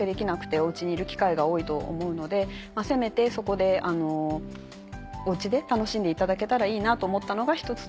お家にいる機会が多いと思うのでせめてそこでお家で楽しんでいただけたらいいなと思ったのが１つと。